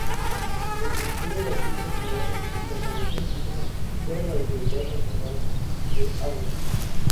El Ministerio de Asuntos Rurales y Población Indígena era la Autoridad Nacional de Aguas.